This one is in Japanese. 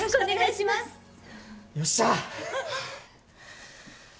よっしゃ！